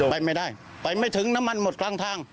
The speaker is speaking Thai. ไปไม่ได้ไปไม่ถึงน้ำมันหมดกลางทาง